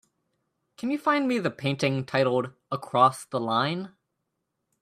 Can you find me the painting titled Across the Line?